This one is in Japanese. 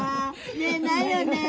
見えないよねぇ？